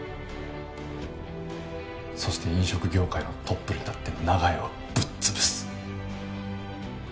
そして飲食業界のトップに立って長屋をぶっ潰す。